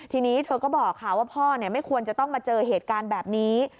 ทีนี้เธอก็บอกค่ะว่าพ่อไม่ควรจะต้องมาเจอเหตุการณ์แบบนี้